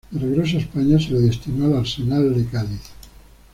De regreso en España, se le destinó al Arsenal de Cádiz.